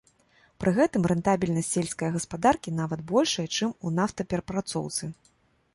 Пры гэтым рэнтабельнасць сельская гаспадаркі нават большая, чым у нафтаперапрацоўцы.